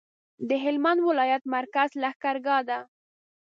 د هلمند ولایت مرکز لښکرګاه ده